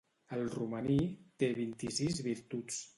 El romaní té vint-i-sis virtuts.